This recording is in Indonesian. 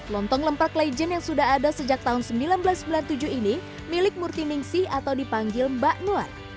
lontong lempak legend yang sudah ada sejak tahun seribu sembilan ratus sembilan puluh tujuh ini milik murti ningsi atau dipanggil mbak nuan